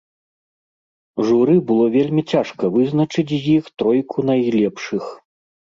Журы было вельмі цяжка вызначыць з іх тройку найлепшых.